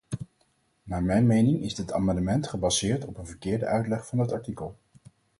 Naar mijn mening is dit amendement gebaseerd op een verkeerde uitleg van het artikel.